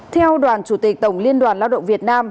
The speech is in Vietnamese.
theo đoàn chủ tịch tổng liên đoàn lao động việt nam